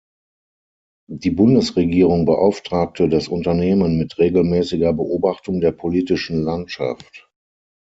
Die Bundesregierung beauftragte das Unternehmen mit regelmäßiger Beobachtung der politischen Landschaft.